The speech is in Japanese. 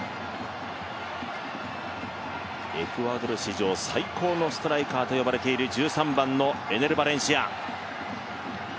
エクアドル史上最高のストライカーと呼ばれている１３番のエネル・バレンシア。